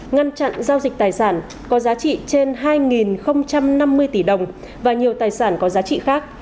ngăn chặn giao dịch tài sản có giá trị trên hai năm mươi tỷ đồng và nhiều tài sản có giá trị khác